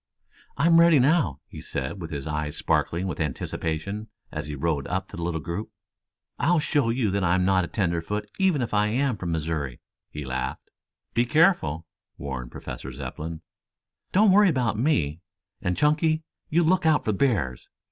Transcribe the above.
"I'm ready now," he said, his eyes sparkling with anticipation, as he rode up to the little group. "I'll show you that I'm not a tenderfoot even if I am from Missouri," he laughed. "Be careful," warned Professor Zepplin. "Don't worry about me, and, Chunky, you look out for bears.